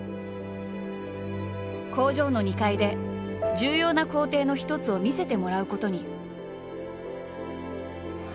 工場の２階で重要な工程の一つを見せてもらうことに。